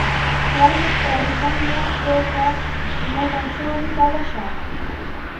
Warmita tarinqaayaq taytaapa ñawpantrawmi kawashaq.